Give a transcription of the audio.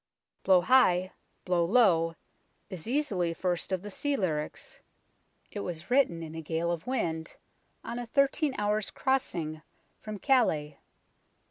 " Blow High, Blow Low " is easily first of the sea lyrics. It was written in a gale of wind, on a thirteen hours' crossing from Calais.